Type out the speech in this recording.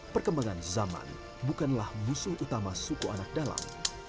perkembangan zaman bukanlah musuh utama suku anak dalam